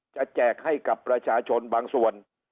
แจกให้กับประชาชนบางส่วน